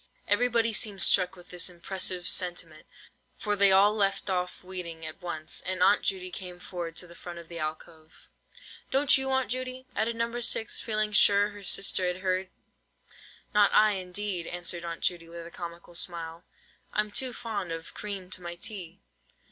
Everybody seemed struck with this impressive sentiment, for they all left off weeding at once, and Aunt Judy came forward to the front of the alcove. "Don't you, Aunt Judy?" added No. 6, feeling sure her sister had heard. "Not I, indeed," answered Aunt Judy, with a comical smile: "I'm too fond of cream to my tea."